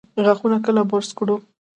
غاښونه کله برس کړو؟